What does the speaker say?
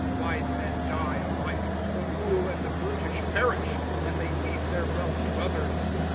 Wise men die. Alike, the fool and the brutish perish ; And they leave their wealth to others.